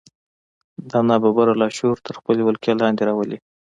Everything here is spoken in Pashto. دا ناببره لاشعور تر خپلې ولکې لاندې راولي